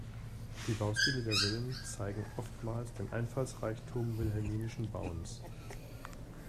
Die Baustile der Villen zeigen oftmals den Einfallsreichtum wilhelminischen Bauens.